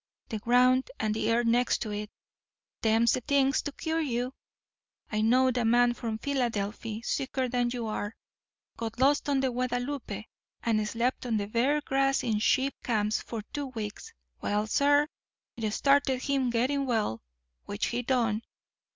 The ground, and the air next to it—them's the things to cure you. I knowed a man from Philadelphy, sicker than you are, got lost on the Guadalupe, and slept on the bare grass in sheep camps for two weeks. Well, sir, it started him getting well, which he done.